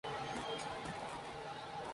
No confundir con el ángulo de guiñada.